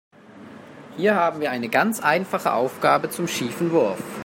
Hier haben wir eine ganz einfache Aufgabe zum schiefen Wurf.